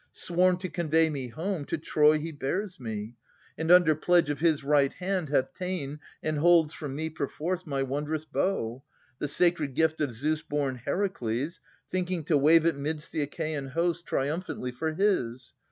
Sworn to convey me home, to Troy he bears me. And under pledge of his right hand hath ta'en And holds from me perforce my wondrous bow. The sacred gift of Zeus born Heracles, Thinking to wave it midst the Achaean host Triumphantly for his.